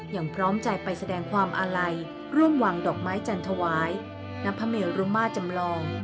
ยังพร้อมใจไปแสดงความอาลัยร่วมวางดอกไม้จันทวายณพระเมรุมาจำลอง